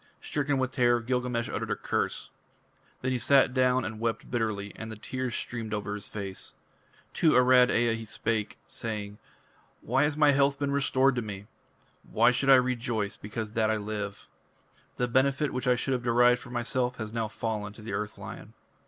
Stricken with terror, Gilgamesh uttered a curse. Then he sat down and wept bitterly, and the tears streamed over his face. To Arad Ea he spake, saying: "Why has my health been restored to me? Why should I rejoice because that I live? The benefit which I should have derived for myself has now fallen to the Earth Lion."